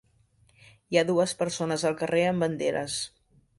Hi ha dues persones al carrer amb banderes.